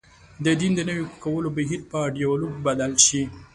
د دین د نوي کولو بهیر په ډیالوګ بدل شي.